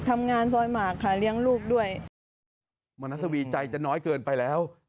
มานัสวีใจจะน้อยเกินไปแล้วนะครับ